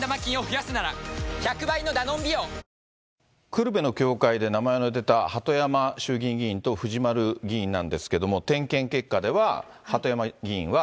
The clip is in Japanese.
久留米の教会で名前の出た鳩山衆議院議員と藤丸議員なんですけども、点検結果では鳩山議員は。